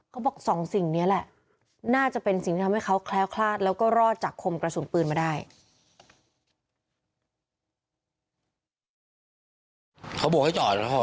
เขาบอกสองสิ่งนี้แหละน่าจะเป็นสิ่งที่ทำให้เขาแคล้วคลาดแล้วก็รอดจากคมกระสุนปืนมาได้